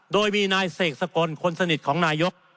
โดยมีนายเสกสกลคนสนิทของนายก